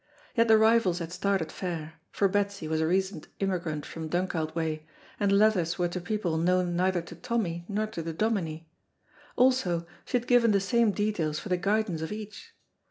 Yet the rivals had started fair, for Betsy was a recent immigrant from Dunkeld way, and the letters were to people known neither to Tommy nor to the Dominie. Also, she had given the same details for the guidance of each.